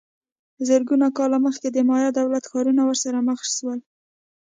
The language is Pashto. زرګونه کاله مخکې د مایا دولت ښارونه ورسره مخ سول